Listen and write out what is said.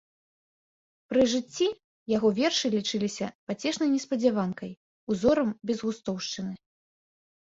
Пры жыцці яго вершы лічыліся пацешнай неспадзяванкай, узорам безгустоўшчыны.